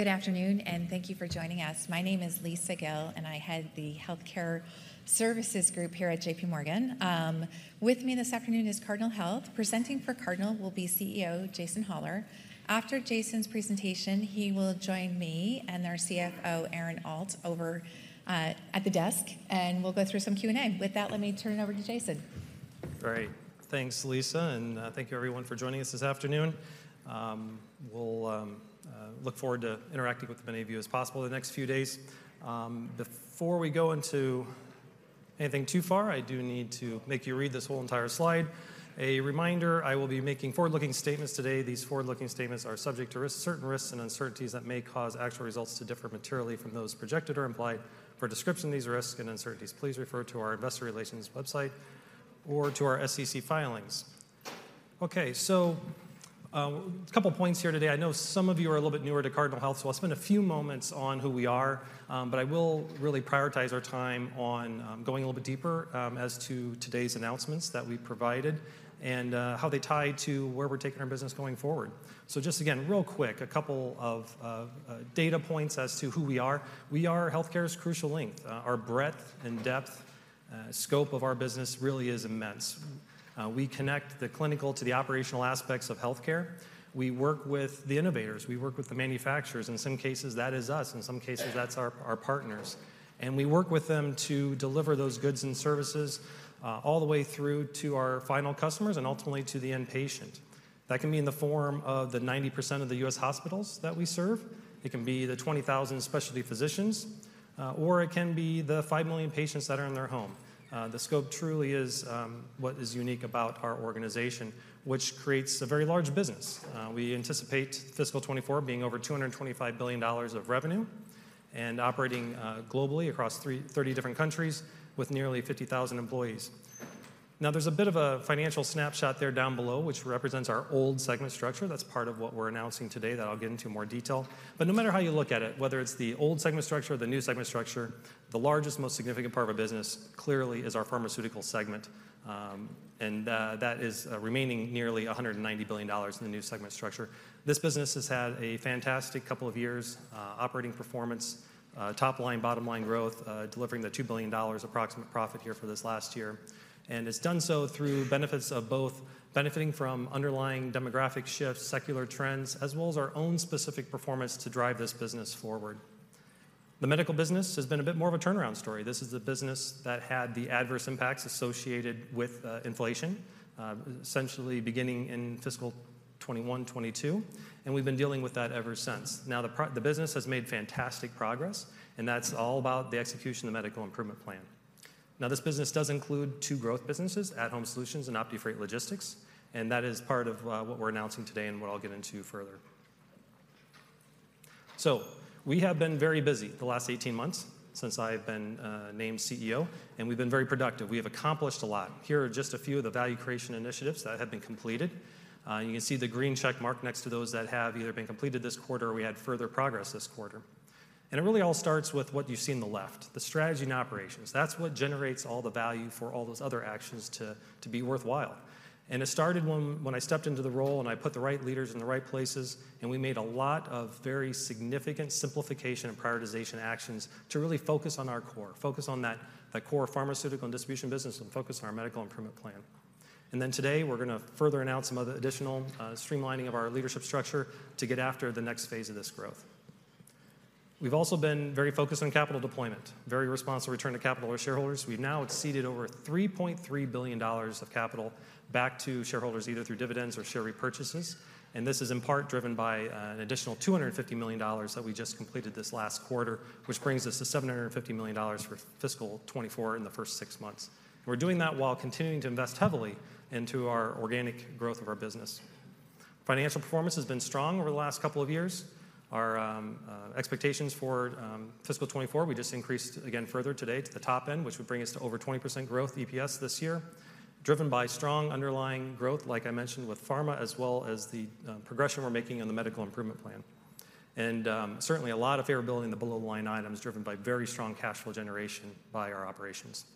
Good afternoon, and thank you for joining us. My name is Lisa Gill, and I head the Healthcare Services Group here at J.P. Morgan. With me this afternoon is Cardinal Health. Presenting for Cardinal will be CEO Jason Hollar. After Jason's presentation, he will join me and our CFO, Aaron Alt, over at the desk, and we'll go through some Q&A. With that, let me turn it over to Jason. Great. Thanks, Lisa, and thank you everyone for joining us this afternoon. We'll look forward to interacting with as many of you as possible in the next few days. Before we go into anything too far, I do need to make you read this whole entire slide. A reminder, I will be making forward-looking statements today. These forward-looking statements are subject to risks, certain risks and uncertainties that may cause actual results to differ materially from those projected or implied. For a description of these risks and uncertainties, please refer to our investor relations website or to our SEC filings. Okay, so a couple points here today. I know some of you are a little bit newer to Cardinal Health, so I'll spend a few moments on who we are, but I will really prioritize our time on going a little bit deeper as to today's announcements that we provided and how they tie to where we're taking our business going forward. So just again, real quick, a couple of data points as to who we are. We are healthcare's crucial link. Our breadth and depth scope of our business really is immense. We connect the clinical to the operational aspects of healthcare. We work with the innovators, we work with the manufacturers. In some cases, that is us. In some cases, that's our partners. And we work with them to deliver those goods and services all the way through to our final customers and ultimately to the end patient. That can be in the form of the 90% of the U.S. hospitals that we serve, it can be the 20,000 specialty physicians, or it can be the 5 million patients that are in their home. The scope truly is what is unique about our organization, which creates a very large business. We anticipate fiscal 2024 being over $225 billion of revenue and operating globally across 30 different countries with nearly 50,000 employees. Now, there's a bit of a financial snapshot there down below, which represents our old segment structure. That's part of what we're announcing today, that I'll get into more detail. But no matter how you look at it, whether it's the old segment structure or the new segment structure, the largest, most significant part of our business clearly is our pharmaceutical segment, and that is remaining nearly $190 billion in the new segment structure. This business has had a fantastic couple of years, operating performance, top line, bottom line growth, delivering the $2 billion approximate profit here for this last year, and has done so through benefits of both benefiting from underlying demographic shifts, secular trends, as well as our own specific performance to drive this business forward. The medical business has been a bit more of a turnaround story. This is a business that had the adverse impacts associated with inflation, essentially beginning in fiscal 2021, 2022, and we've been dealing with that ever since. Now, the business has made fantastic progress, and that's all about the execution of the Medical Improvement Plan. Now, this business does include two growth businesses: at-Home Solutions and OptiFreight Logistics, and that is part of what we're announcing today and what I'll get into further. So we have been very busy the last 18 months since I've been named CEO, and we've been very productive. We have accomplished a lot. Here are just a few of the value creation initiatives that have been completed. You can see the green check mark next to those that have either been completed this quarter or we had further progress this quarter. And it really all starts with what you see on the left, the strategy and operations. That's what generates all the value for all those other actions to be worthwhile. It started when I stepped into the role, and I put the right leaders in the right places, and we made a lot of very significant simplification and prioritization actions to really focus on our core, focus on that core pharmaceutical and distribution business, and focus on our Medical Improvement Plan. Then today, we're going to further announce some other additional streamlining of our leadership structure to get after the next phase of this growth. We've also been very focused on capital deployment, very responsible return to capital to our shareholders. We've now exceeded over $3.3 billion of capital back to shareholders, either through dividends or share repurchases, and this is in part driven by an additional $250 million that we just completed this last quarter, which brings us to $750 million for fiscal 2024 in the first 6 months. We're doing that while continuing to invest heavily into our organic growth of our business. Financial performance has been strong over the last couple of years. Our expectations for fiscal 2024, we just increased again further today to the top end, which would bring us to over 20% growth EPS this year, driven by strong underlying growth, like I mentioned with pharma, as well as the progression we're making on the Medical Improvement Plan. Certainly a lot of favorability in the below-the-line items, driven by very strong cash flow generation by our operations.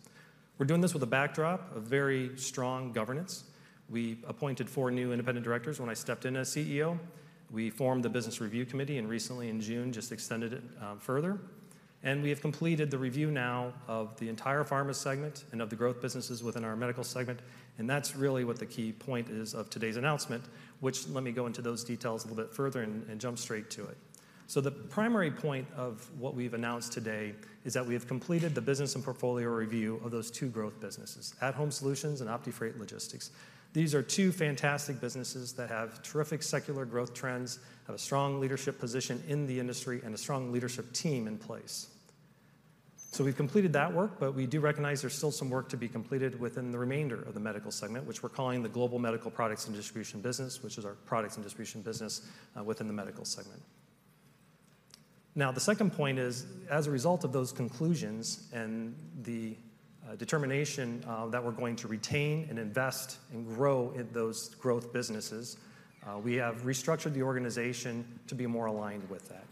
We're doing this with a backdrop of very strong governance. We appointed four new independent directors when I stepped in as CEO. We formed the Business Review Committee, and recently in June, just extended it further. We have completed the review now of the entire pharma segment and of the growth businesses within our medical segment, and that's really what the key point is of today's announcement, which, let me go into those details a little bit further and jump straight to it. The primary point of what we've announced today is that we have completed the business and portfolio review of those two growth businesses: at-Home Solutions and OptiFreight Logistics. These are two fantastic businesses that have terrific secular growth trends, have a strong leadership position in the industry, and a strong leadership team in place. So we've completed that work, but we do recognize there's still some work to be completed within the remainder of the medical segment, which we're calling the Global Medical Products and Distribution business, which is our products and distribution business, within the medical segment. Now, the second point is, as a result of those conclusions and the determination that we're going to retain and invest and grow in those growth businesses, we have restructured the organization to be more aligned with that,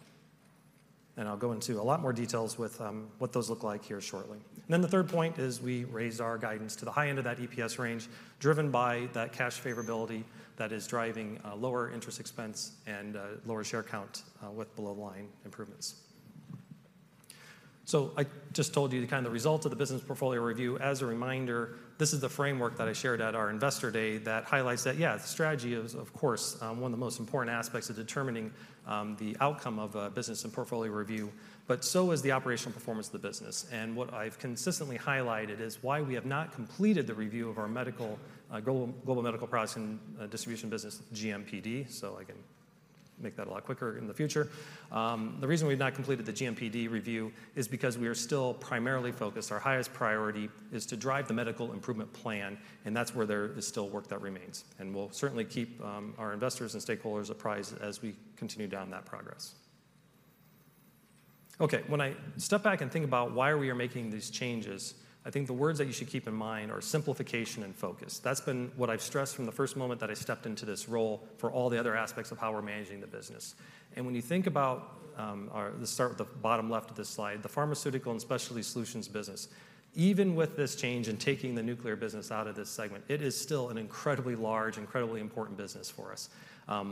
and I'll go into a lot more details with what those look like here shortly. And then the third point is we raised our guidance to the high end of that EPS range, driven by that cash favorability that is driving lower interest expense and lower share count with below-the-line improvements. So I just told you the kind of result of the business portfolio review. As a reminder, this is the framework that I shared at our Investor Day that highlights that, yeah, the strategy is, of course, one of the most important aspects of determining the outcome of a business and portfolio review, but so is the operational performance of the business. And what I've consistently highlighted is why we have not completed the review of our medical global global medical products and distribution business, GMPD, so I can make that a lot quicker in the future. The reason we've not completed the GMPD review is because we are still primarily focused, our highest priority is to drive the Medical Improvement Plan, and that's where there is still work that remains. We'll certainly keep our investors and stakeholders apprised as we continue down that progress. Okay, when I step back and think about why we are making these changes, I think the words that you should keep in mind are simplification and focus. That's been what I've stressed from the first moment that I stepped into this role for all the other aspects of how we're managing the business. When you think about our... Let's start with the bottom left of this slide, the Pharmaceutical and Specialty Solutions business. Even with this change in taking the nuclear business out of this segment, it is still an incredibly large, incredibly important business for us.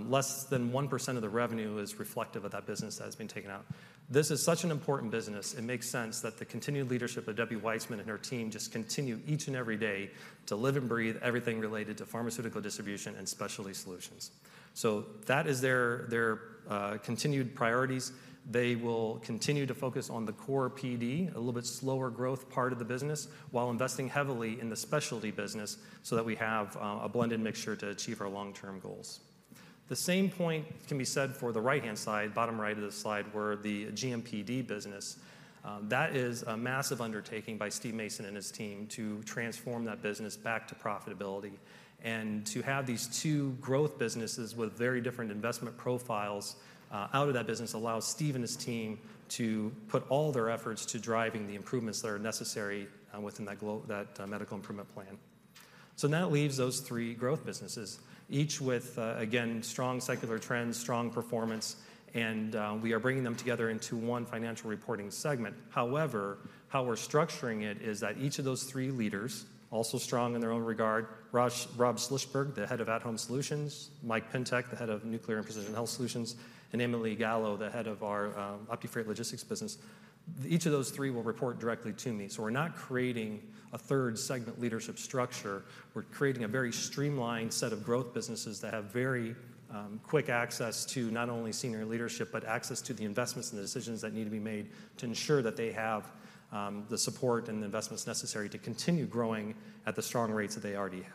Less than 1% of the revenue is reflective of that business that has been taken out. This is such an important business, it makes sense that the continued leadership of Debbie Weitzman and her team just continue each and every day to live and breathe everything related to pharmaceutical distribution and specialty solutions. So that is their, their, continued priorities. They will continue to focus on the core PD, a little bit slower growth part of the business, while investing heavily in the specialty business so that we have, a blended mixture to achieve our long-term goals. The same point can be said for the right-hand side, bottom right of the slide, where the GMPD business. That is a massive undertaking by Steve Mason and his team to transform that business back to profitability. And to have these two growth businesses with very different investment profiles out of that business allows Steve and his team to put all their efforts to driving the improvements that are necessary within that medical improvement plan. So that leaves those three growth businesses, each with again strong secular trends, strong performance, and we are bringing them together into one financial reporting segment. However, how we're structuring it is that each of those three leaders, also strong in their own regard, Rob Schlissberg, the head of at-Home Solutions, Mike Pintek, the head of Nuclear and Precision Health Solutions, and Emily Gallo, the head of our OptiFreight Logistics business, each of those three will report directly to me. So we're not creating a third segment leadership structure, we're creating a very streamlined set of growth businesses that have very, quick access to not only senior leadership, but access to the investments and the decisions that need to be made to ensure that they have, the support and the investments necessary to continue growing at the strong rates that they already have.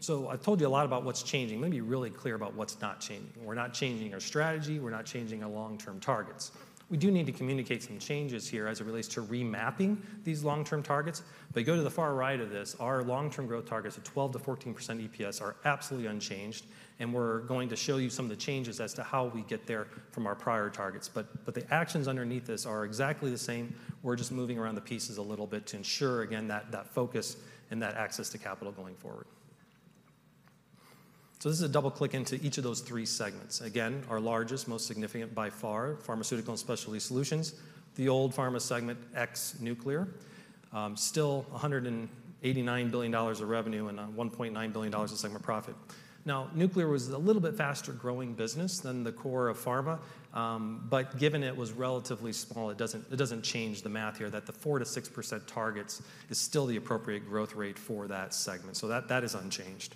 So I told you a lot about what's changing. Let me be really clear about what's not changing. We're not changing our strategy, we're not changing our long-term targets. We do need to communicate some changes here as it relates to remapping these long-term targets. If I go to the far right of this, our long-term growth targets of 12%-14% EPS are absolutely unchanged, and we're going to show you some of the changes as to how we get there from our prior targets. But the actions underneath this are exactly the same. We're just moving around the pieces a little bit to ensure, again, that focus and that access to capital going forward. So this is a double-click into each of those three segments. Again, our largest, most significant by far, Pharmaceutical and Specialty Solutions, the old pharma segment ex nuclear. Still a $189 billion of revenue and $1.9 billion of segment profit. Now, nuclear was a little bit faster-growing business than the core of pharma, but given it was relatively small, it doesn't change the math here, that the 4%-6% target is still the appropriate growth rate for that segment. So that is unchanged.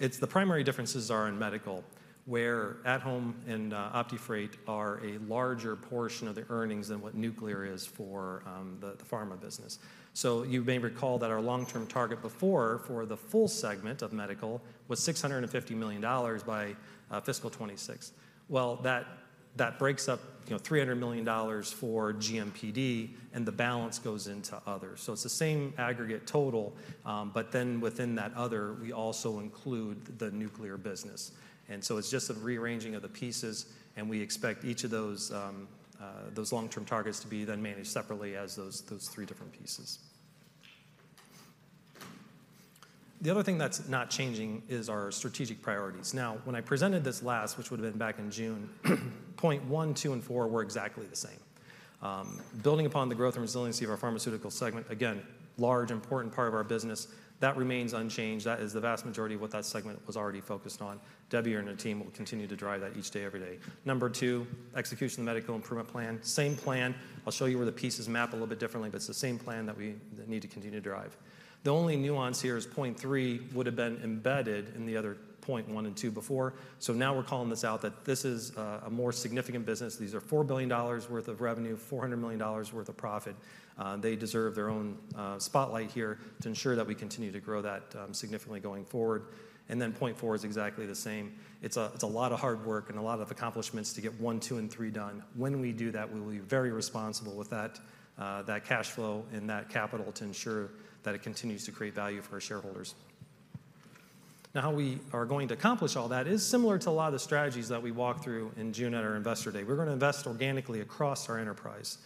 It's the primary differences are in medical, where At-Home and OptiFreight are a larger portion of the earnings than what nuclear is for the pharma business. So you may recall that our long-term target before, for the full segment of medical, was $650 million by fiscal 2026. Well, that breaks up, you know, $300 million for GMPD, and the balance goes into other. So it's the same aggregate total, but then within that other, we also include the nuclear business. So it's just a rearranging of the pieces, and we expect each of those, those long-term targets to be then managed separately as those, those three different pieces. The other thing that's not changing is our strategic priorities. Now, when I presented this last, which would have been back in June, point one, two, and four were exactly the same. Building upon the growth and resiliency of our Pharmaceutical Segment, again, large, important part of our business, that remains unchanged. That is the vast majority of what that segment was already focused on. Debbie and her team will continue to drive that each day, every day. Number two, execution of the Medical Improvement Plan. Same plan. I'll show you where the pieces map a little bit differently, but it's the same plan that we need to continue to drive. The only nuance here is point three would have been embedded in the other point one and two before. So now we're calling this out that this is a more significant business. These are $4 billion worth of revenue, $400 million worth of profit. They deserve their own spotlight here to ensure that we continue to grow that significantly going forward. Then point four is exactly the same. It's a lot of hard work and a lot of accomplishments to get one, two, and three done. When we do that, we will be very responsible with that cash flow and that capital to ensure that it continues to create value for our shareholders. Now, how we are going to accomplish all that is similar to a lot of the strategies that we walked through in June at our Investor Day. We're gonna invest organically across our enterprise.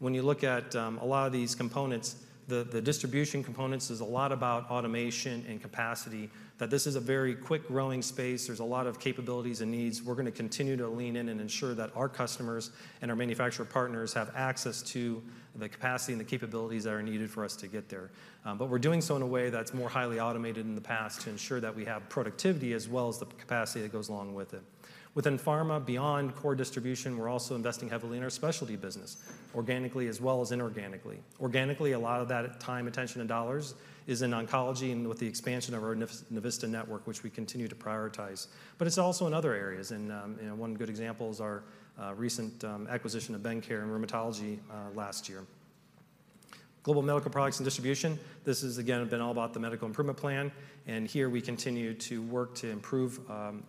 When you look at a lot of these components, the distribution components is a lot about automation and capacity, that this is a very quick-growing space. There's a lot of capabilities and needs. We're gonna continue to lean in and ensure that our customers and our manufacturer partners have access to the capacity and the capabilities that are needed for us to get there. But we're doing so in a way that's more highly automated than the past, to ensure that we have productivity as well as the capacity that goes along with it. Within pharma, beyond core distribution, we're also investing heavily in our specialty business, organically as well as inorganically. Organically, a lot of that time, attention, and dollars is in oncology and with the expansion of our Navista Network, which we continue to prioritize. But it's also in other areas, and, you know, one good example is our recent acquisition of Bendcare in rheumatology last year. Global Medical Products and Distribution, this has again, been all about the Medical Improvement Plan, and here we continue to work to improve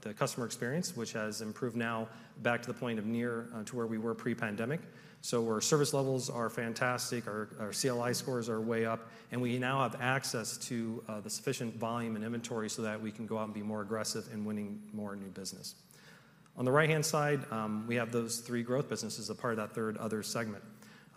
the customer experience, which has improved now back to the point of near to where we were pre-pandemic. So our service levels are fantastic. Our CLI scores are way up, and we now have access to the sufficient volume and inventory so that we can go out and be more aggressive in winning more new business. On the right-hand side, we have those three growth businesses as a part of that third other segment,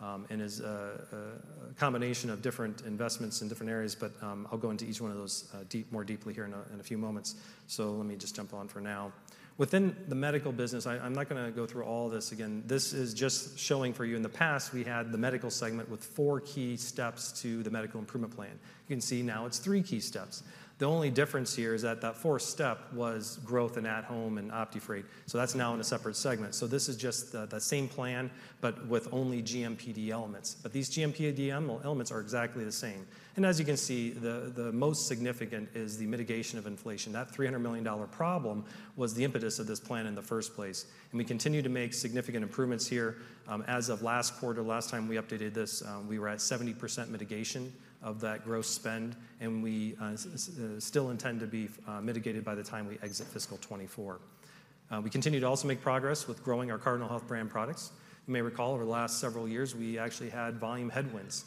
and it is a combination of different investments in different areas, but I'll go into each one of those more deeply here in a few moments, so let me just jump on for now. Within the medical business, I'm not gonna go through all of this again. This is just showing for you. In the past, we had the medical segment with four key steps to the Medical Improvement Plan. You can see now it's three key steps. The only difference here is that that fourth step was growth, and at-home, and OptiFreight, so that's now in a separate segment. So this is just the same plan, but with only GMPD elements. But these GMPD elements are exactly the same. As you can see, the most significant is the mitigation of inflation. That $300 million problem was the impetus of this plan in the first place, and we continue to make significant improvements here. As of last quarter, last time we updated this, we were at 70% mitigation of that gross spend, and we still intend to be mitigated by the time we exit fiscal 2024. We continue to also make progress with growing our Cardinal Health brand products. You may recall, over the last several years, we actually had volume headwinds.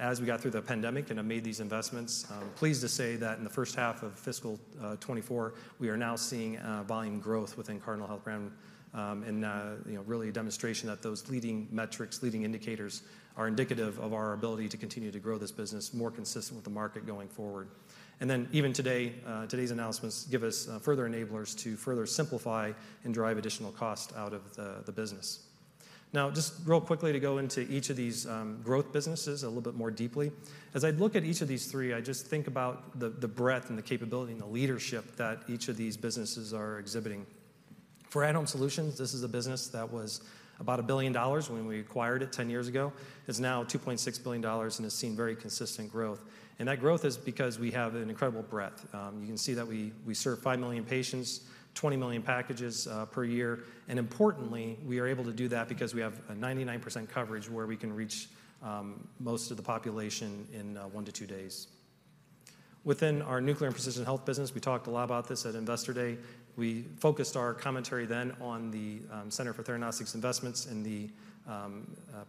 As we got through the pandemic and have made these investments, pleased to say that in the first half of fiscal 2024, we are now seeing volume growth within Cardinal Health brand, and you know, really a demonstration that those leading metrics, leading indicators, are indicative of our ability to continue to grow this business more consistent with the market going forward. And then, even today, today's announcements give us further enablers to further simplify and drive additional cost out of the business. Now, just real quickly, to go into each of these growth businesses a little bit more deeply. As I look at each of these three, I just think about the breadth, and the capability, and the leadership that each of these businesses are exhibiting. For at-Home Solutions, this is a business that was about $1 billion when we acquired it 10 years ago. It's now $2.6 billion and has seen very consistent growth, and that growth is because we have an incredible breadth. You can see that we, we serve 5 million patients, 20 million packages per year, and importantly, we are able to do that because we have a 99% coverage where we can reach most of the population in 1-2 days. Within our Nuclear and Precision Health business, we talked a lot about this at Investor Day. We focused our commentary then on the Center for Theranostics investments and the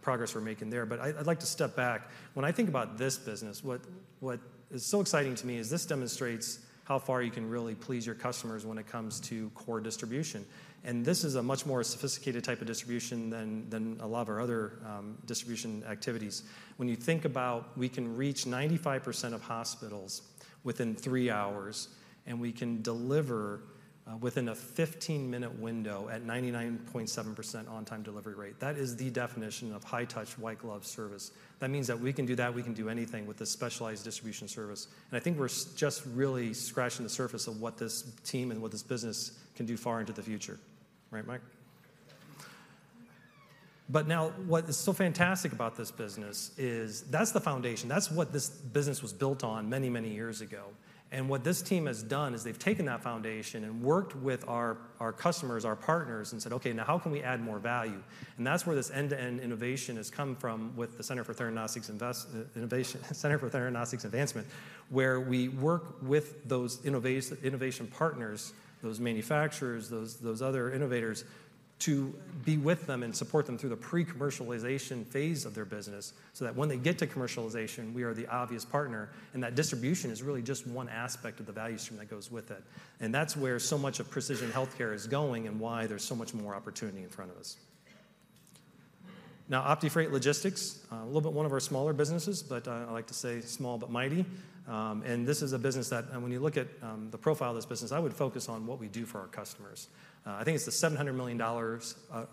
progress we're making there. But I'd, I'd like to step back. When I think about this business, what, what is so exciting to me is this demonstrates how far you can really please your customers when it comes to core distribution, and this is a much more sophisticated type of distribution than, than a lot of our other distribution activities. When you think about, we can reach 95% of hospitals within 3 hours, and we can deliver within a 15-minute window at 99.7% on-time delivery rate, that is the definition of high-touch, white-glove service. That means that if we can do that, we can do anything with this specialized distribution service, and I think we're just really scratching the surface of what this team and what this business can do far into the future. Right, Mike? But now, what is so fantastic about this business is that's the foundation. That's what this business was built on many, many years ago. And what this team has done is they've taken that foundation and worked with our, our customers, our partners, and said, "Okay, now how can we add more value?" And that's where this end-to-end innovation has come from with the Center for Theranostics Advancement, where we work with those innovation partners, those manufacturers, those, those other innovators, to be with them and support them through the pre-commercialization phase of their business, so that when they get to commercialization, we are the obvious partner, and that distribution is really just one aspect of the value stream that goes with it. And that's where so much of precision healthcare is going and why there's so much more opportunity in front of us. Now, OptiFreight Logistics, a little bit one of our smaller businesses, but, I like to say small but mighty. And this is a business that... and when you look at, the profile of this business, I would focus on what we do for our customers. I think it's the $700 million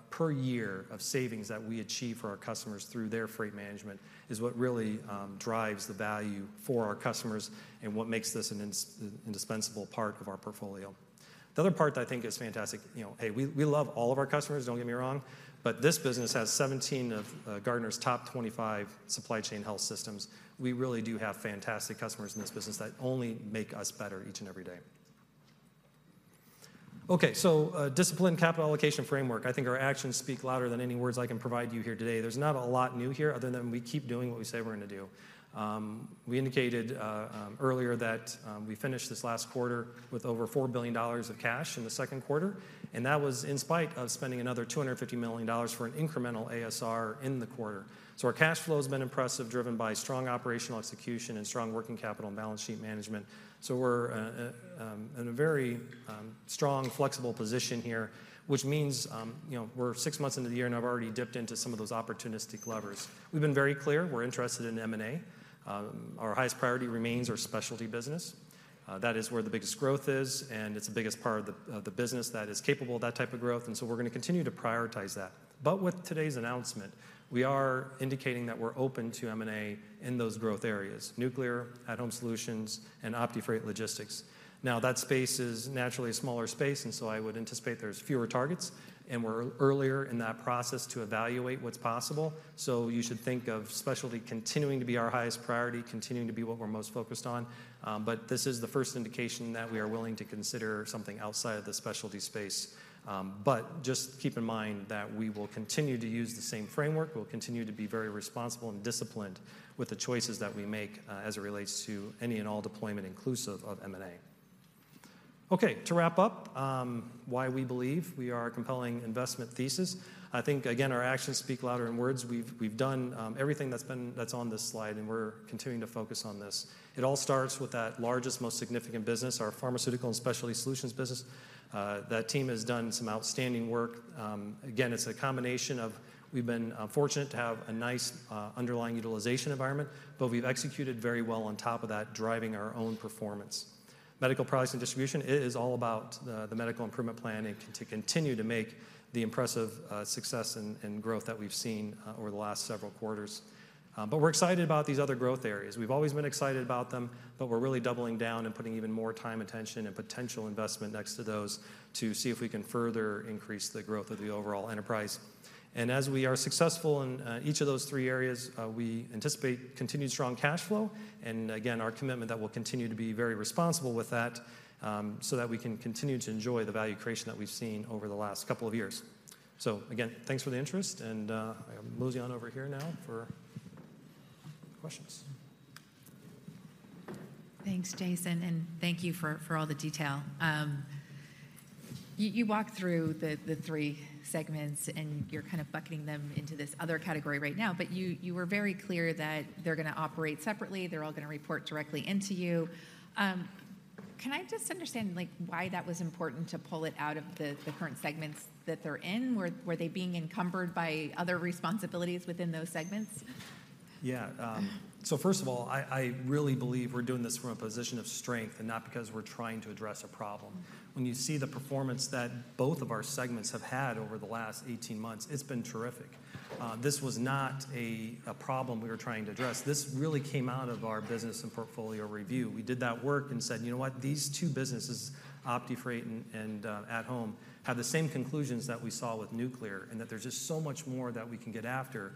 per year of savings that we achieve for our customers through their freight management, is what really drives the value for our customers and what makes this an indispensable part of our portfolio. The other part that I think is fantastic, you know, hey, we, we love all of our customers, don't get me wrong, but this business has 17 of Gartner's top 25 supply chain health systems. We really do have fantastic customers in this business that only make us better each and every day. Okay, so, disciplined capital allocation framework. I think our actions speak louder than any words I can provide you here today. There's not a lot new here, other than we keep doing what we say we're going to do. We indicated earlier that we finished this last quarter with over $4 billion of cash in the second quarter, and that was in spite of spending another $250 million for an incremental ASR in the quarter. So our cash flow has been impressive, driven by strong operational execution and strong working capital and balance sheet management. So we're in a very strong, flexible position here, which means, you know, we're six months into the year, and I've already dipped into some of those opportunistic levers. We've been very clear, we're interested in M&A. Our highest priority remains our specialty business. That is where the biggest growth is, and it's the biggest part of the business that is capable of that type of growth, and so we're gonna continue to prioritize that. But with today's announcement, we are indicating that we're open to M&A in those growth areas: nuclear, At-Home Solutions, and OptiFreight Logistics. Now, that space is naturally a smaller space, and so I would anticipate there's fewer targets, and we're earlier in that process to evaluate what's possible. So you should think of specialty continuing to be our highest priority, continuing to be what we're most focused on, but this is the first indication that we are willing to consider something outside of the specialty space. But just keep in mind that we will continue to use the same framework. We'll continue to be very responsible and disciplined with the choices that we make, as it relates to any and all deployment, inclusive of M&A. Okay, to wrap up, why we believe we are a compelling investment thesis. I think, again, our actions speak louder than words. We've done everything that's on this slide, and we're continuing to focus on this. It all starts with that largest, most significant business, our pharmaceutical and specialty solutions business. That team has done some outstanding work. Again, it's a combination of we've been fortunate to have a nice underlying utilization environment, but we've executed very well on top of that, driving our own performance. Medical products and distribution, it is all about the Medical Improvement Plan and to continue to make the impressive success and growth that we've seen over the last several quarters. But we're excited about these other growth areas. We've always been excited about them, but we're really doubling down and putting even more time, attention, and potential investment next to those to see if we can further increase the growth of the overall enterprise. And as we are successful in each of those three areas, we anticipate continued strong cash flow, and again, our commitment that we'll continue to be very responsible with that, so that we can continue to enjoy the value creation that we've seen over the last couple of years. So again, thanks for the interest, and I mosey on over here now for questions. Thanks, Jason, and thank you for all the detail. You walked through the three segments, and you're kind of bucketing them into this other category right now, but you were very clear that they're gonna operate separately. They're all gonna report directly into you. Can I just understand, like, why that was important to pull it out of the current segments that they're in? Were they being encumbered by other responsibilities within those segments? Yeah. So first of all, I really believe we're doing this from a position of strength and not because we're trying to address a problem. Mm-hmm. When you see the performance that both of our segments have had over the last 18 months, it's been terrific. This was not a problem we were trying to address. This really came out of our business and portfolio review. We did that work and said: "You know what? These two businesses, OptiFreight and At Home, have the same conclusions that we saw with nuclear and that there's just so much more that we can get after."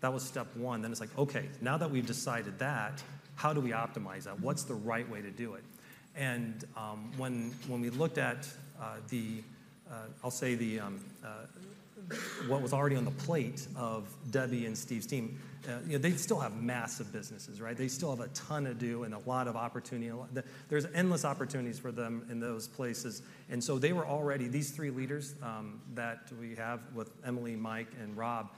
That was step one. Then it's like: "Okay, now that we've decided that, how do we optimize that? What's the right way to do it?" And when we looked at the... I'll say the what was already on the plate of Debbie and Steve's team, you know, they still have massive businesses, right? They still have a ton to do and a lot of opportunity. There's endless opportunities for them in those places, and so they were already—these three leaders that we have, with Emily, Mike, and Rob,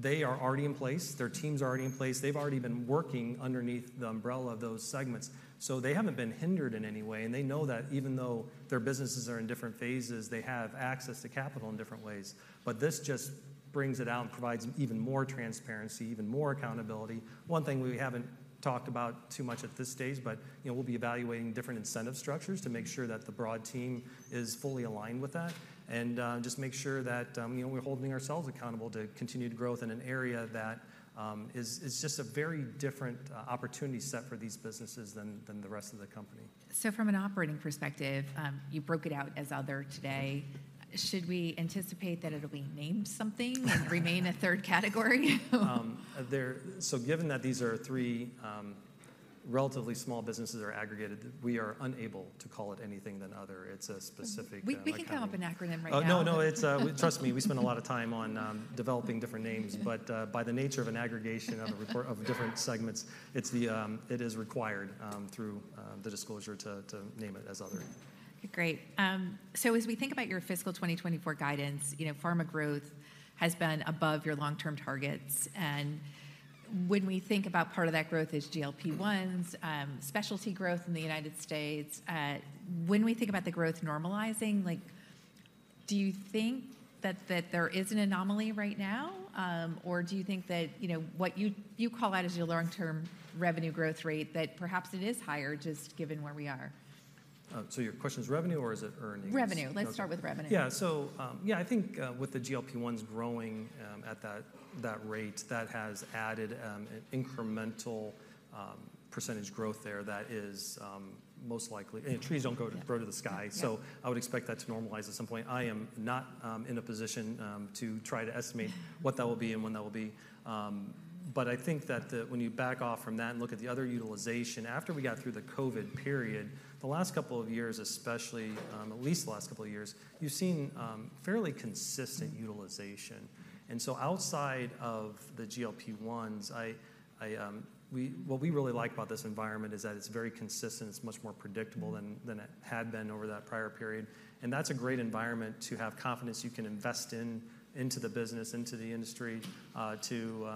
they are already in place. Their teams are already in place. They've already been working underneath the umbrella of those segments, so they haven't been hindered in any way, and they know that even though their businesses are in different phases, they have access to capital in different ways. But this just brings it out and provides even more transparency, even more accountability. One thing we haven't talked about too much at this stage, but, you know, we'll be evaluating different incentive structures to make sure that the broad team is fully aligned with that and just make sure that, you know, we're holding ourselves accountable to continued growth in an area that is just a very different opportunity set for these businesses than the rest of the company. From an operating perspective, you broke it out as other today. Should we anticipate that it'll be named something and remain a third category? So given that these are three relatively small businesses that are aggregated, we are unable to call it anything than other. It's a specific, like- We can come up with an acronym right now. No, no. Trust me, we spend a lot of time on developing different names. Yeah. By the nature of an aggregation of a report of different segments, it is required through the disclosure to name it as other. Great. So as we think about your fiscal 2024 guidance, you know, pharma growth has been above your long-term targets, and when we think about part of that growth is GLP-1s, specialty growth in the United States. When we think about the growth normalizing, like, do you think that there is an anomaly right now? Or do you think that, you know, what you call out as your long-term revenue growth rate, that perhaps it is higher just given where we are? So, your question is revenue, or is it earnings? Revenue. Okay. Let's start with revenue. Yeah. So, yeah, I think, with the GLP-1s growing, at that, that rate, that has added, an incremental, percentage growth there that is, most likely— You know, trees don't go to grow to the sky. Yeah. So I would expect that to normalize at some point. I am not in a position to try to estimate what that will be and when that will be. But I think that when you back off from that and look at the other utilization, after we got through the COVID period, the last couple of years especially, at least the last couple of years, you've seen fairly consistent utilization. And so outside of the GLP-1s, what we really like about this environment is that it's very consistent. It's much more predictable than it had been over that prior period, and that's a great environment to have confidence you can invest in the business, into the industry, to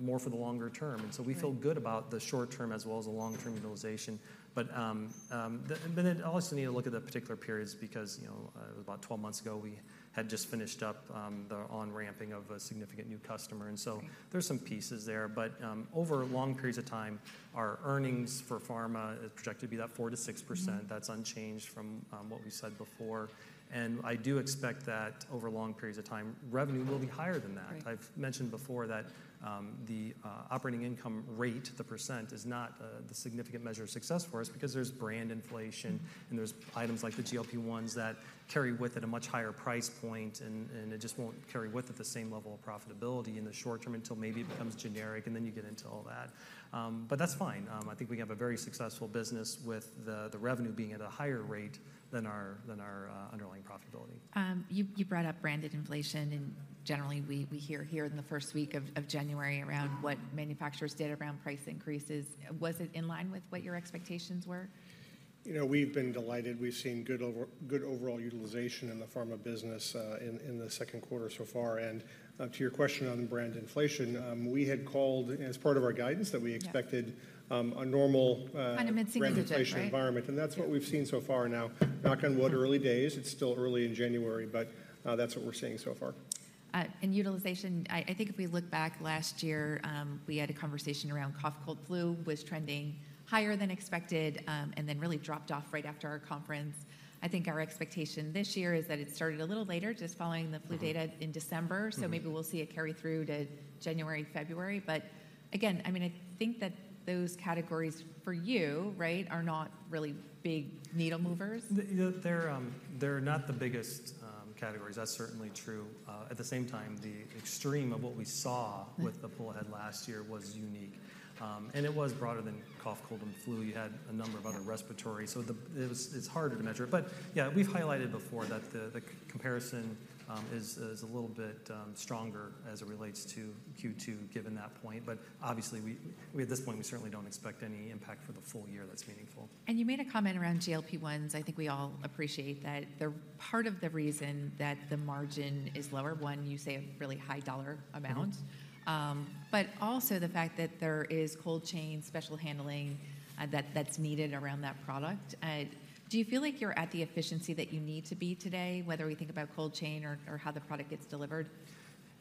more for the longer term. Right. So we feel good about the short term as well as the long-term utilization. But then you also need to look at the particular periods because, you know, about 12 months ago, we had just finished up, the on-ramping of a significant new customer, and so- there's some pieces there. But, over long periods of time, our earnings for pharma is projected to be that 4%-6%. That's unchanged from what we said before, and I do expect that over long periods of time, revenue will be higher than that. Right. I've mentioned before that the operating income rate, the percent, is not the significant measure of success for us because there's brand inflation, and there's items like the GLP-1s that carry with it a much higher price point, and it just won't carry with it the same level of profitability in the short term until maybe it becomes generic, and then you get into all that. But that's fine. I think we have a very successful business with the revenue being at a higher rate than our underlying profitability. You brought up branded inflation, and generally, we hear here in the first week of January around what manufacturers did around price increases. Was it in line with what your expectations were? You know, we've been delighted. We've seen good overall utilization in the pharma business in the second quarter so far. And to your question on brand inflation, we had called, as part of our guidance, that we expected- Yeah a normal- Kind of mid-single digit, right? -inflation environment, and that's what we've seen so far. Now, knock on wood, early days. It's still early in January, but, that's what we're seeing so far. and utilization, I think if we look back last year, we had a conversation around cough, cold, flu was trending higher than expected, and then really dropped off right after our conference. I think our expectation this year is that it started a little later, just following the flu data in December. Maybe we'll see it carry through to January, February. Again, I mean, I think that those categories for you, right, are not really big needle movers. They're not the biggest categories, that's certainly true. At the same time, the extreme of what we saw with the pull ahead last year was unique. It was broader than cough, cold, and flu. You had a number of other- Yeah Respiratory. So it's harder to measure. But yeah, we've highlighted before that the comparison is a little bit stronger as it relates to Q2, given that point. But obviously, at this point, we certainly don't expect any impact for the full year that's meaningful. You made a comment around GLP-1s. I think we all appreciate that they're part of the reason that the margin is lower, one, you say a really high dollar amount. But also the fact that there is cold chain special handling that's needed around that product. Do you feel like you're at the efficiency that you need to be today, whether we think about cold chain or how the product gets delivered?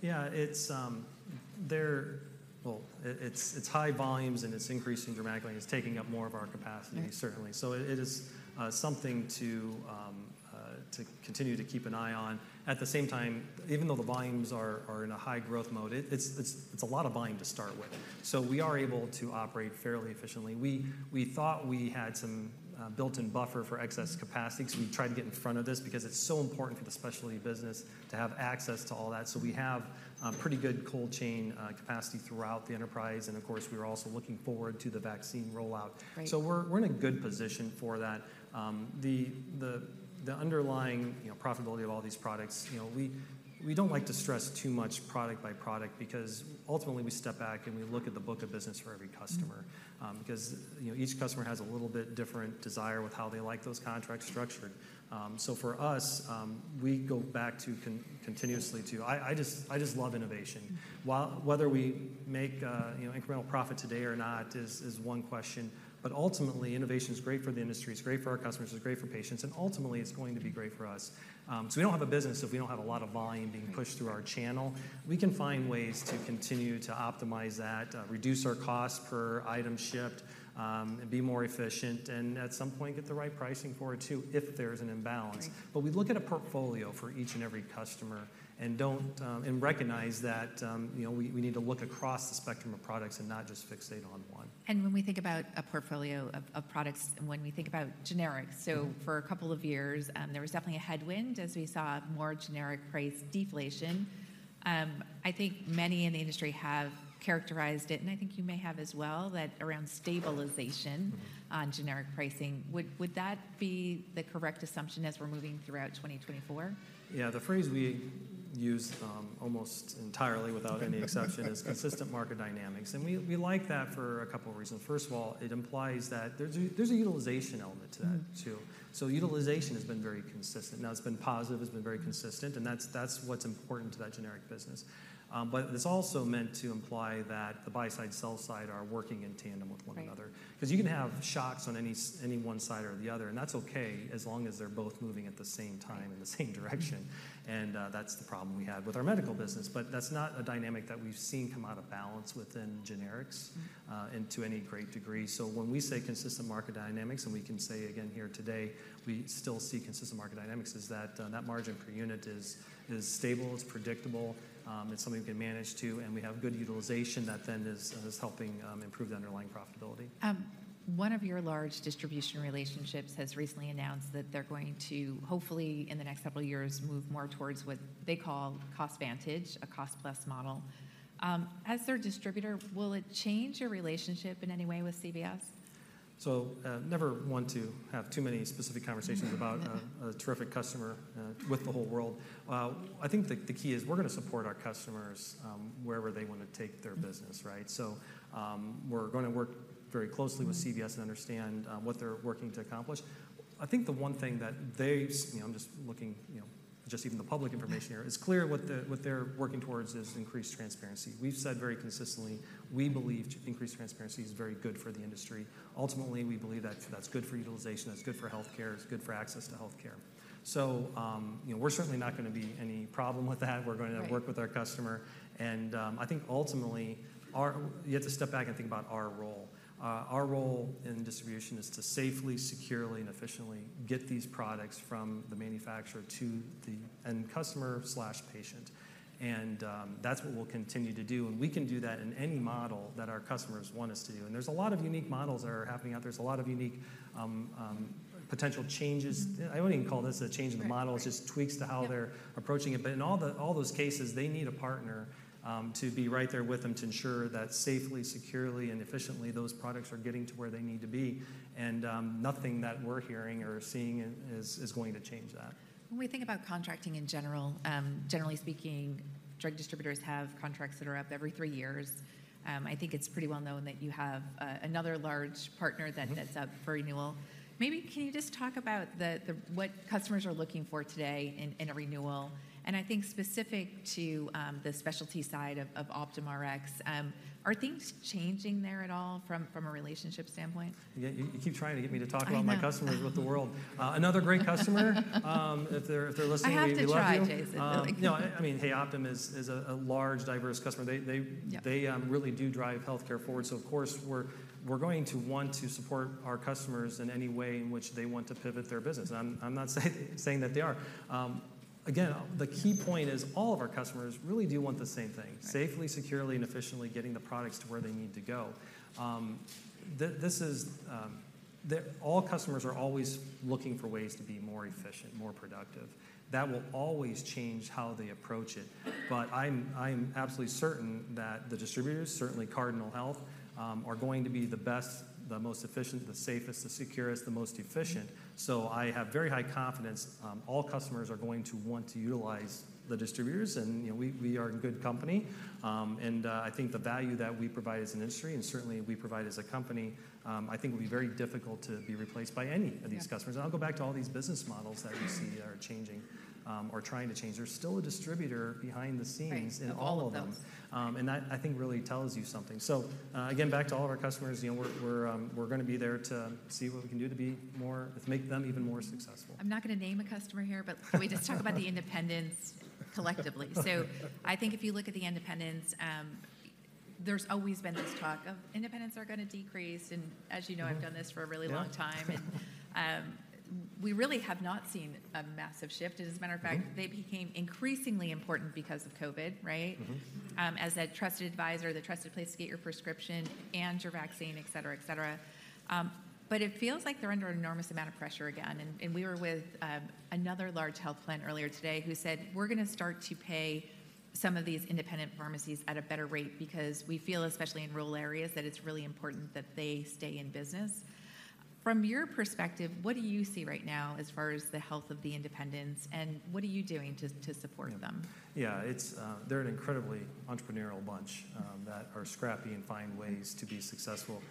Yeah, it's high volumes, and it's increasing dramatically, and it's taking up more of our capacity certainly. So it is something to continue to keep an eye on. At the same time, even though the volumes are in a high growth mode, it's a lot of volume to start with. So we are able to operate fairly efficiently. We thought we had some built-in buffer for excess capacity, so we tried to get in front of this because it's so important for the specialty business to have access to all that. So we have pretty good cold chain capacity throughout the enterprise, and of course, we are also looking forward to the vaccine rollout. Right. So we're in a good position for that. The underlying, you know, profitability of all these products, you know, we don't like to stress too much product by product, because ultimately, we step back, and we look at the book of business for every customer. Because, you know, each customer has a little bit different desire with how they like those contracts structured. So for us, we go back to continuously to... I just love innovation. While whether we make, you know, incremental profit today or not is one question. But ultimately, innovation is great for the industry, it's great for our customers, it's great for patients, and ultimately, it's going to be great for us. So we don't have a business if we don't have a lot of volume being pushed through our channel. We can find ways to continue to optimize that, reduce our cost per item shipped, and be more efficient, and at some point, get the right pricing for it, too, if there's an imbalance. Right. But we look at a portfolio for each and every customer and don't and recognize that, you know, we need to look across the spectrum of products and not just fixate on one. When we think about a portfolio of products and when we think about generics, so for a couple of years, there was definitely a headwind as we saw more generic price deflation. I think many in the industry have characterized it, and I think you may have as well, that around stabilization on generic pricing. Would that be the correct assumption as we're moving throughout 2024? Yeah. The phrase we use almost entirely, without any exception, is consistent market dynamics, and we like that for a couple reasons. First of all, it implies that there's a utilization element to that, too. So utilization has been very consistent. Now, it's been positive, it's been very consistent, and that's, that's what's important to that generic business. But it's also meant to imply that the buy side, sell side are working in tandem with one another. Right. 'Cause you can have shocks on any one side or the other, and that's okay, as long as they're both moving at the same time- Right in the same direction. And, that's the problem we had with our medical business. But that's not a dynamic that we've seen come out of balance within generics, and to any great degree. So when we say consistent market dynamics, and we can say again here today, we still see consistent market dynamics, is that net margin per unit is stable, it's predictable, it's something we can manage to, and we have good utilization that then is helping improve the underlying profitability. One of your large distribution relationships has recently announced that they're going to, hopefully, in the next couple of years, move more towards what they call CostVantage, a cost-plus model. As their distributor, will it change your relationship in any way with CVS? So, never one to have too many specific conversations about a terrific customer with the whole world. I think the key is we're gonna support our customers wherever they wanna take their business, right? So, we're gonna work very closely with CVS and understand what they're working to accomplish. I think the one thing that they, you know, I'm just looking, you know, just even the public information here, it's clear what they're working towards is increased transparency. We've said very consistently, we believe increased transparency is very good for the industry. Ultimately, we believe that that's good for utilization, that's good for healthcare, it's good for access to healthcare. So, you know, we're certainly not gonna be any problem with that. Right. We're gonna work with our customer, and I think ultimately, our, You have to step back and think about our role. Our role in distribution is to safely, securely, and efficiently get these products from the manufacturer to the end customer/patient, and that's what we'll continue to do. We can do that in any model that our customers want us to do. There's a lot of unique models that are happening out there. There's a lot of unique potential changes. I wouldn't even call this a change in the model- Right, right... it's just tweaks to how they're- Yeah ...approaching it. But in all those cases, they need a partner to be right there with them to ensure that safely, securely, and efficiently, those products are getting to where they need to be. And nothing that we're hearing or seeing is going to change that. When we think about contracting in general, generally speaking, drug distributors have contracts that are up every three years. I think it's pretty well known that you have another large partner- that, that's up for renewal. Maybe can you just talk about the what customers are looking for today in a renewal? And I think specific to the specialty side of Optum Rx, are things changing there at all from a relationship standpoint? Yeah, you keep trying to get me to talk about- I know... my customers with the world. Another great customer, if they're listening, we love you. I have to try, Jason. No, I mean, hey, Optum is a large, diverse customer. They, Yeah... really do drive healthcare forward. So of course, we're going to want to support our customers in any way in which they want to pivot their business. I'm not saying that they are. Again, the key point is all of our customers really do want the same thing: safely, securely, and efficiently getting the products to where they need to go. All customers are always looking for ways to be more efficient, more productive. That will always change how they approach it. But I'm absolutely certain that the distributors, certainly Cardinal Health, are going to be the best, the most efficient, the safest, the securest, the most efficient. So I have very high confidence, all customers are going to want to utilize the distributors, and, you know, we are in good company. I think the value that we provide as an industry and certainly we provide as a company, I think will be very difficult to be replaced by any of these customers. Yeah. I'll go back to all these business models that you see are changing, or trying to change. There's still a distributor behind the scenes- Right. in all of them. And that I think really tells you something. So, again, back to all of our customers, you know, we're gonna be there to see what we can do to be more, to make them even more successful. I'm not gonna name a customer here, but can we just talk about the independents collectively? So I think if you look at the independents, there's always been this talk of: independents are gonna decrease. And as you know. I've done this for a really long time. Yeah. We really have not seen a massive shift. As a matter of fact, they became increasingly important because of COVID, right? As a trusted advisor, the trusted place to get your prescription and your vaccine, et cetera, et cetera. But it feels like they're under an enormous amount of pressure again. We were with another large health plan earlier today who said, "We're gonna start to pay some of these independent pharmacies at a better rate because we feel, especially in rural areas, that it's really important that they stay in business." From your perspective, what do you see right now as far as the health of the independents, and what are you doing to support them? Yeah, it's... They're an incredibly entrepreneurial bunch that are scrappy and find ways to be successful,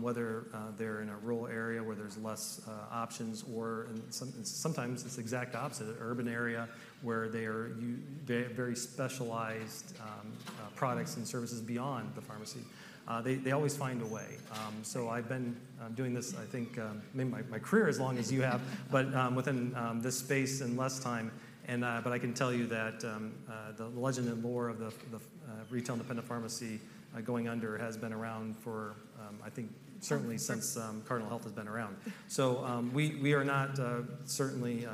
whether they're in a rural area where there's less options, or sometimes it's the exact opposite, an urban area where they are very specialized products and services beyond the pharmacy. They always find a way. So I've been doing this, I think, maybe my career as long as you have... but within this space in less time, but I can tell you that the legend and lore of the retail independent pharmacy going under has been around for, I think certainly since- Always Cardinal Health has been around. So, we are not certainly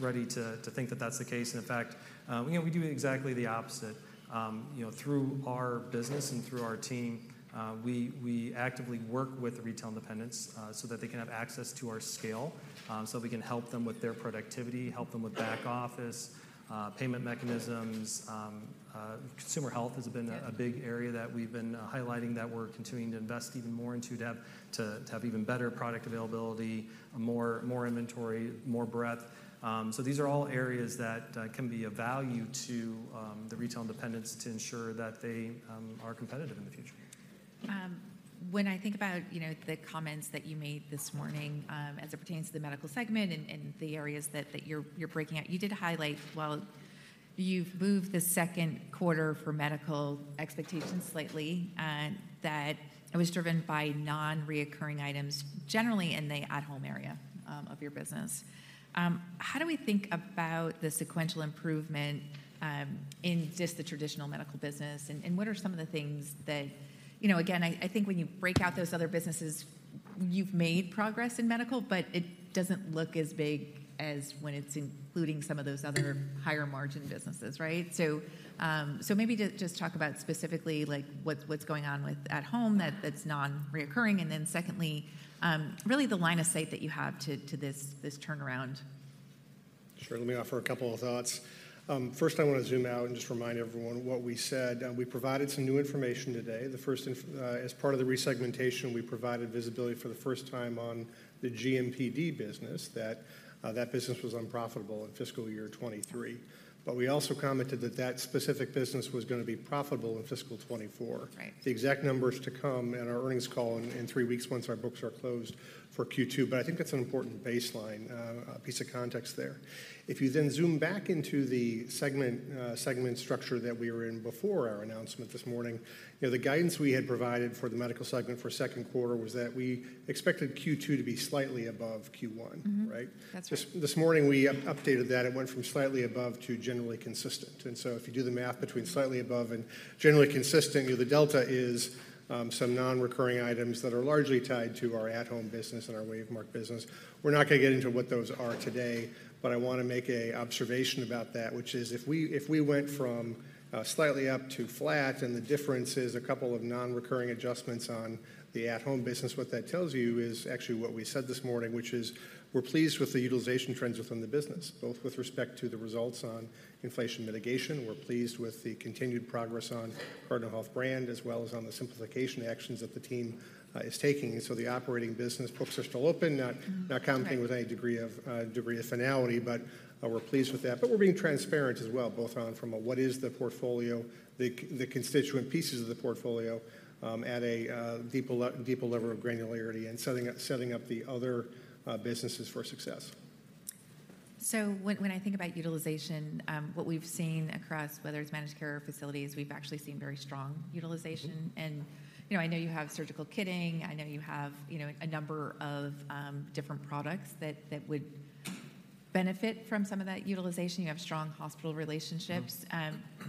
ready to think that that's the case. And in fact, you know, we do exactly the opposite. You know, through our business and through our team, we actively work with the retail independents, so that they can have access to our scale, so we can help them with their productivity, help them with back office payment mechanisms. Consumer health has been- Yeah... a big area that we've been highlighting, that we're continuing to invest even more into, to have even better product availability, more inventory, more breadth. So these are all areas that can be of value to the retail independents to ensure that they are competitive in the future. When I think about, you know, the comments that you made this morning, as it pertains to the medical segment and the areas that you're breaking out, you did highlight, well, you've moved the second quarter for medical expectations slightly, and that it was driven by non-recurring items, generally in the at-home area of your business. How do we think about the sequential improvement in just the traditional medical business? And what are some of the things that... You know, again, I think when you break out those other businesses, you've made progress in medical, but it doesn't look as big as when it's including some of those other higher-margin businesses, right? So, maybe just talk about specifically like what's going on with at home that that's non-recurring. And then secondly, really the line of sight that you have to this turnaround. Sure. Let me offer a couple of thoughts. First, I want to zoom out and just remind everyone what we said. We provided some new information today. As part of the resegmentation, we provided visibility for the first time on the GMPD business, that that business was unprofitable in fiscal year 2023. But we also commented that that specific business was gonna be profitable in fiscal 2024. Right. The exact numbers to come in our earnings call in three weeks, once our books are closed for Q2. I think that's an important baseline, piece of context there. If you then zoom back into the segment, segment structure that we were in before our announcement this morning, you know, the guidance we had provided for the medical segment for second quarter was that we expected Q2 to be slightly above Q1, right? Mm-hmm. That's right. This morning, we updated that. It went from slightly above to generally consistent. And so if you do the math between slightly above and generally consistent, you know, the delta is some non-recurring items that are largely tied to our at-home business and our WaveMark business. We're not gonna get into what those are today, but I want to make an observation about that, which is, if we went from slightly up to flat, and the difference is a couple of non-recurring adjustments on the at-home business, what that tells you is actually what we said this morning, which is: We're pleased with the utilization trends within the business, both with respect to the results on inflation mitigation. We're pleased with the continued progress on Cardinal Health brand, as well as on the simplification actions that the team is taking. The operating business books are still open. Mm-hmm. Right... not commenting with any degree of finality, but we're pleased with that. But we're being transparent as well, both on from a what is the portfolio, the constituent pieces of the portfolio, at a deeper level of granularity, and setting up the other businesses for success. So when I think about utilization, what we've seen across, whether it's managed care or facilities, we've actually seen very strong utilization. You know, I know you have surgical kitting. I know you have, you know, a number of different products that would benefit from some of that utilization. You have strong hospital relationships.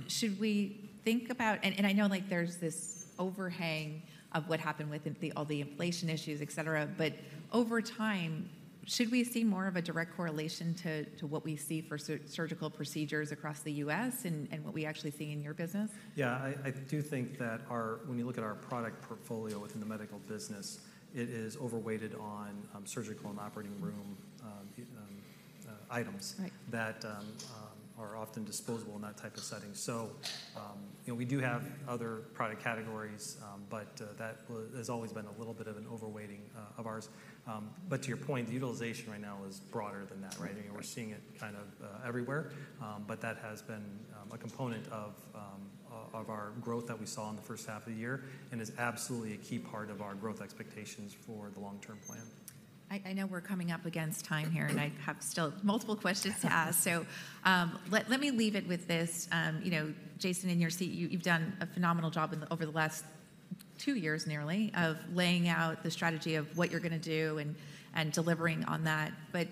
Should we think about? And I know, like, there's this overhang of what happened with all the inflation issues, et cetera, but over time... Should we see more of a direct correlation to what we see for surgical procedures across the U.S. and what we actually see in your business? Yeah, I do think that when you look at our product portfolio within the medical business, it is overweighted on surgical and operating room items. Right that are often disposable in that type of setting. So, you know, we do have other product categories, but that has always been a little bit of an overweighting of ours. But to your point, the utilization right now is broader than that, right? Right. I mean, we're seeing it kind of everywhere. But that has been a component of our growth that we saw in the first half of the year, and is absolutely a key part of our growth expectations for the long-term plan. I know we're coming up against time here, and I have still multiple questions to ask. So, let me leave it with this. You know, Jason, in your seat, you've done a phenomenal job over the last two years, nearly, of laying out the strategy of what you're gonna do and delivering on that. But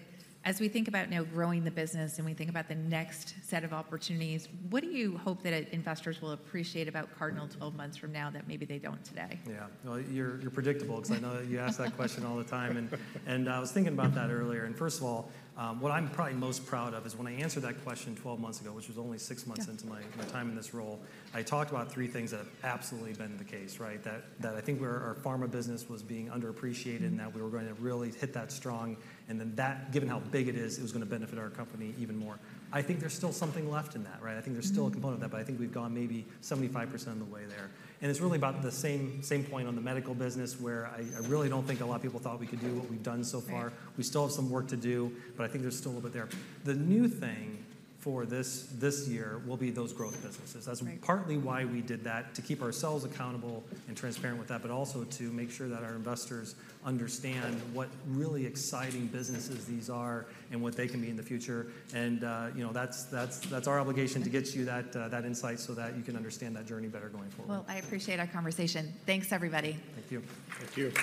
as we think about now growing the business, and we think about the next set of opportunities, what do you hope that investors will appreciate about Cardinal 12 months from now that maybe they don't today? Yeah. Well, you're predictable because I know that you ask that question all the time. And I was thinking about that earlier. And first of all, what I'm probably most proud of is when I answered that question 12 months ago, which was only 6 months- Yeah... into my time in this role, I talked about three things that have absolutely been the case, right? That I think our pharma business was being underappreciated, and that we were going to really hit that strong. And then that, given how big it is, it was gonna benefit our company even more. I think there's still something left in that, right? I think there's still a component of that, but I think we've gone maybe 75% of the way there. It's really about the same, same point on the medical business, where I really don't think a lot of people thought we could do what we've done so far. Right. We still have some work to do, but I think there's still a little bit there. The new thing for this, this year will be those growth businesses. Right. That's partly why we did that, to keep ourselves accountable and transparent with that, but also to make sure that our investors understand what really exciting businesses these are and what they can be in the future. And, you know, that's our obligation to get you that insight, so that you can understand that journey better going forward. Well, I appreciate our conversation. Thanks, everybody. Thank you. Thank you.